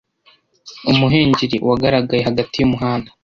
Umuhengeri wagaragaye hagati yumuhanda.